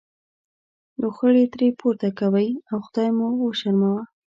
لوخړې ترې پورته کوئ او خدای مو وشرموه.